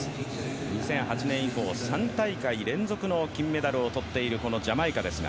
２００８年以降、３大会連続の金メダルを取っているジャマイカです。